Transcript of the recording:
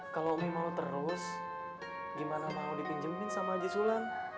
kalau umi mau terus gimana mau dipinjemin sama haji sulam